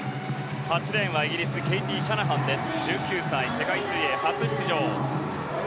８レーンはイギリスケイティ・シャナハン１９歳、世界水泳初出場。